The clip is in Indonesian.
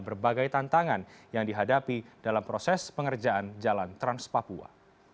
berbagai tantangan yang dihadapi dalam proses pengerjaan jalan trans papua